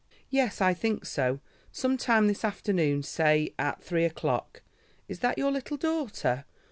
"Yes, I think so, some time this afternoon, say at three o'clock. Is that your little daughter?